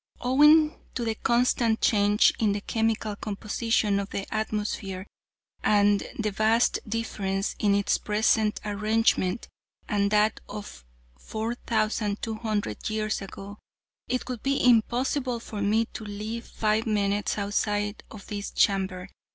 "Owing to the constant change in the chemical composition of the atmosphere, and the vast difference in its present arrangement and that of four thousand two hundred years ago, it would be impossible for me to live five minutes outside of this chamber.